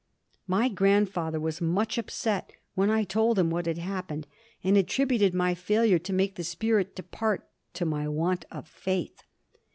My grandfather was much upset when I told him what had happened, and attributed my failure to make the spirit depart to my want of faith.